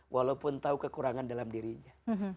walaupun tahu kekurangan dalam dirinya